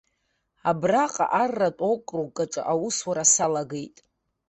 Абраҟа арратә округк аҿы аусура салагеит.